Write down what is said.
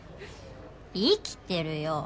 生きてるよ。